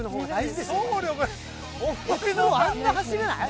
あんな走れない？